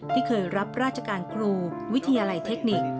ที่เคยรับราชการครูวิทยาลัยเทคนิค